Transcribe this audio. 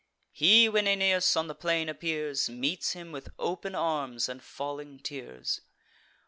He, when Aeneas on the plain appears, Meets him with open arms, and falling tears.